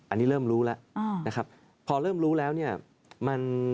อันนี้เริ่มรู้แล้วนะครับ